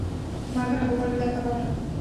মাধানা গোপালের দেখা পাবে না।